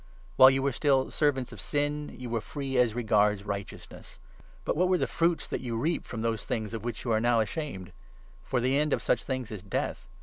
While you were still servants of 20 Sin, you were free as regards Righteousness. But what 21 were the fruits that you reaped from those things of which you are now ashamed ? For the end of such things is Death.